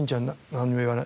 なんにも言わない。